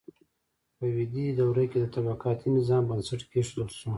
په ویدي دوره کې د طبقاتي نظام بنسټ کیښودل شو.